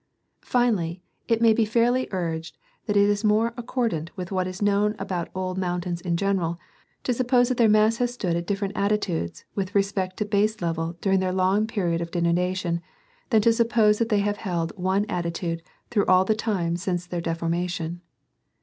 Finally it may be fairly urged that it is more accordant with what is known about old mountains in general to suppose that their mass has stood at different attitudes with respect to base level during their long period of denudation than to suppose that they have held one attitude through all the time since their deformation.